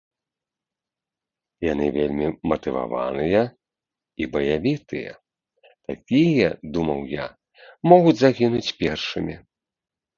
Яны вельмі матываваныя і баявітыя, такія, думаў я, могуць загінуць першымі.